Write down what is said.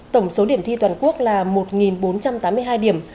tổng số điểm thi toàn quốc là một bốn trăm tám mươi hai điểm